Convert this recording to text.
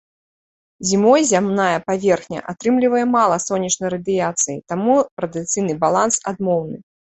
Зімой зямная паверхня атрымлівае мала сонечнай радыяцыі, таму радыяцыйны баланс адмоўны.